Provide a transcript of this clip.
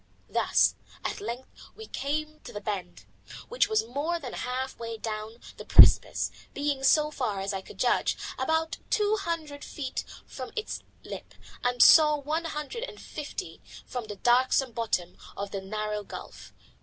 Thus at length we came to the bend, which was more than half way down the precipice, being, so far as I could judge, about two hundred and fifty feet from its lip, and say one hundred and fifty from the darksome bottom of the narrow gulf.